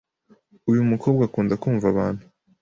Uyu mukobwa akunda kumva abantu